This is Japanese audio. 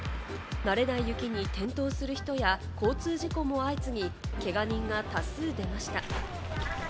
慣れない雪に転倒する人や交通事故も相次ぎ、けが人が多数出ました。